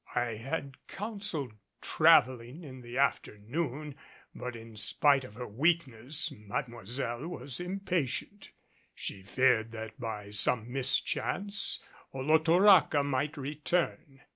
I had counseled traveling in the afternoon, but in spite of her weakness Mademoiselle was impatient. She feared that by some mischance Olotoraca might return.